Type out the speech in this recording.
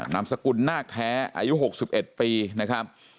นามสกุลนาคแท้อายุ๖๑ปีนะครับ